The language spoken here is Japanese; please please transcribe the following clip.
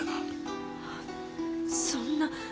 そんな。